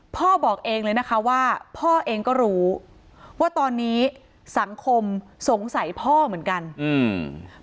พ่อบอกเองเลยนะคะว่าพ่อเองก็รู้ว่าตอนนี้สังคมสงสัยพ่อเหมือนกันอืม